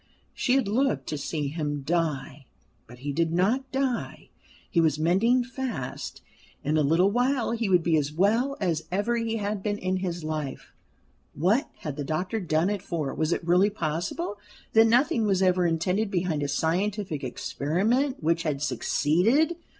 She had looked to see him die, but he did not die. He was mending fast; in a little while he would be as well as ever he had been in his life. What had the doctor done it for? Was it really possible that nothing was ever intended beyond a scientific experiment, which had succeeded?